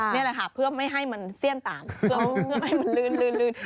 นี่แหละค่ะเพื่อไม่ให้มันเสี้ยนต่างให้มันลืน